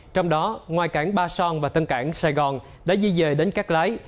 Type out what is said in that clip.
trong đó ngoài cảng ba son và tân cảng sài gòn đã di dời đến cát lái